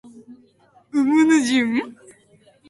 う ｍ ぬ ｊｎ